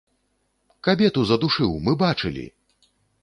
Кабету задушыў, мы бачылі!